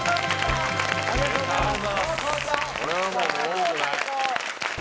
・・ありがとうございます！